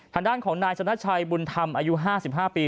ทางด้านของนายชนะชัยบุญธรรมอายุ๕๕ปี